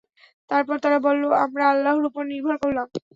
তারপর তারা বলল, আমরা আল্লাহর উপর নির্ভর করলাম।